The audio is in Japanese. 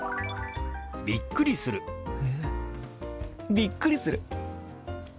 びっくりする。